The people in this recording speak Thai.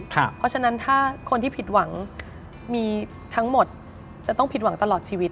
เพราะฉะนั้นถ้าคนที่ผิดหวังมีทั้งหมดจะต้องผิดหวังตลอดชีวิต